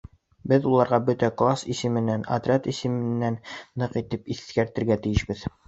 Беҙ уларға бөтә класс исеменән, отряд исеменән ныҡ итеп иҫкәртергә тейешбеҙ.